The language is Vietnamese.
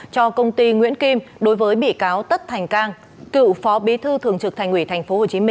cho công ty nguyễn kim đối với bị cáo tất thành cang cựu phó bí thư thường trực thành ủy tp hcm